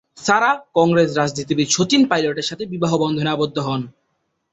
সারা কংগ্রেস রাজনীতিবিদ শচীন পাইলটের সাথে বিবাহ বন্ধনে আবদ্ধ হন।